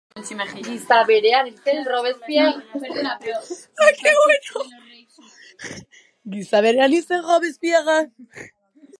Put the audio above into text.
Gisa berean hil zen Robespierre.